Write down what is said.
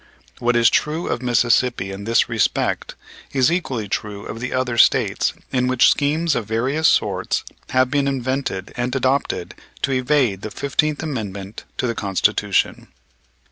What is true of Mississippi in this respect is equally true of the other States in which schemes of various sorts have been invented and adopted to evade the Fifteenth Amendment to the Constitution.